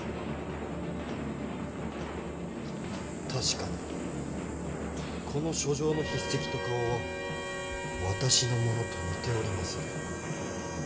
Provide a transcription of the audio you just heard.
確かにこの書状の筆跡と花押は私のものと似ておりまする。